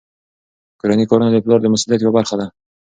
کورني کارونه د پلار د مسؤلیت یوه برخه ده.